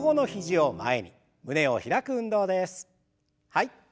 はい。